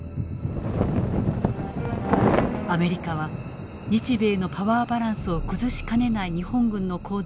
アメリカは日米のパワーバランスを崩しかねない日本軍の行動に強く反応した。